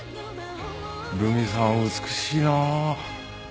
留美さん美しいな。